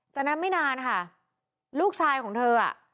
จากนั้นไม่นานค่ะลูกชายของเธออ่ะ